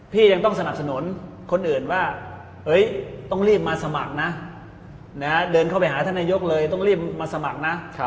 ยังต้องสนับสนุนคนอื่นว่าต้องรีบมาสมัครนะเดินเข้าไปหาท่านนายกเลยต้องรีบมาสมัครนะ